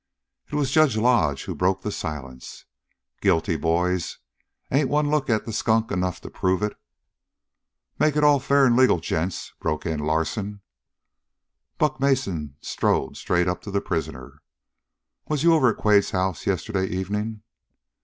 It was Judge Lodge who broke the silence. "Guilty, boys. Ain't one look at the skunk enough to prove it?" "Make it all fair and legal, gents," broke in Larsen. Buck Mason strode straight up to the prisoner. "Was you over to Quade's house yesterday evening?"